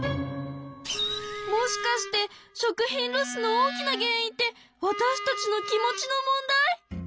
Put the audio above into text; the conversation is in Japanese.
もしかして食品ロスの大きな原因ってわたしたちの気持ちの問題？